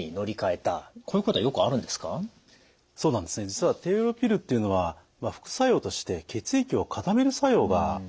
実は低用量ピルっていうのは副作用として血液を固める作用があるんですね。